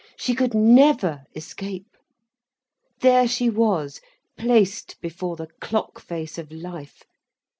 She could never escape. There she was, placed before the clock face of life.